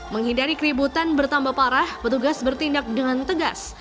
menghindari keributan bertambah parah petugas bertindak dengan tegas